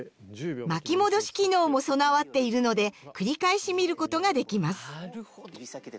巻き戻し機能も備わっているので繰り返し見ることができます。